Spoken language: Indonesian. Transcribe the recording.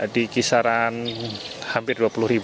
di kisaran hampir dua puluh